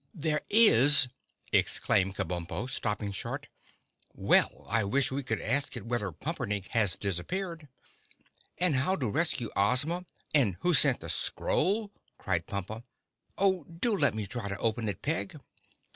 "There is!" exclaimed Kabumpo, stopping short. "Well, I wish we could ask it whether Pumperdink has disappeared." "And how to rescue Ozma, and who sent the scroll!" cried Pompa. "Oh, do let me try to open it, Peg!"